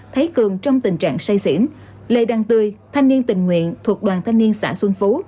thấy cường trong tình trạng say xỉn lê đăng tươi thanh niên tình nguyện thuộc đoàn thanh niên xã xuân phú